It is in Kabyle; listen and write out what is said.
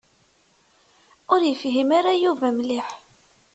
Ur yefhim ara Yuba mliḥ.